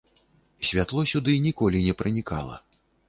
Святло сюды ніколі не пранікала.